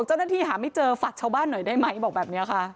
เจ้าหน้าที่หาไม่เจอฝากชาวบ้านหน่อยได้ไหมบอกแบบนี้ค่ะ